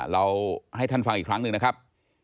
เราให้ท่านฟังอีกครั้งหนึ่งนะครับ